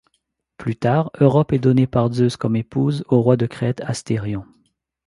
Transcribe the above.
Plus tard, Europe est donnée par Zeus comme épouse au roi de Crète Astérion.